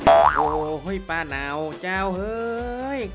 โอ้โฮป้าเนาเจ้าเฮ้ย